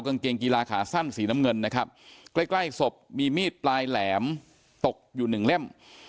กางเกงกีฬาขาสั้นสีน้ำเงินนะครับใกล้ใกล้ศพมีมีดปลายแหลมตกอยู่หนึ่งเล่ม